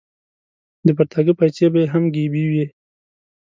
د پرتاګه پایڅې به یې هم ګیبي وې.